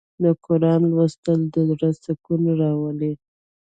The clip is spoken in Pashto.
د قرآن لوستل د زړه سکون راولي.